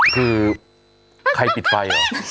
คือใครปิดไฟเหรอ